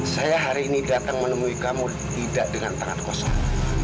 saya hari ini datang menemui kamu tidak dengan tangan kosong